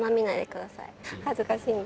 恥ずかしいので。